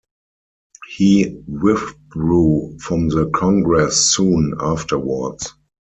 He withdrew from the Congress soon afterwards.